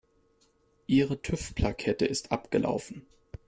Ihre TÜV-Plakette ist abgelaufen.